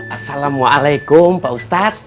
assalamualaikum pak ustadz